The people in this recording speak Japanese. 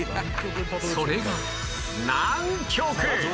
それが南極！